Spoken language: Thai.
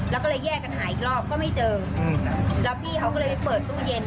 แล้วก็แยกกันหาอีกรอบก็ไม่เจอแล้วพี่เขาก็เลยไปเปิดตู้เย็น